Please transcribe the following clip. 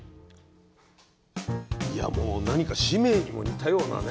いやもう何か使命にも似たようなね。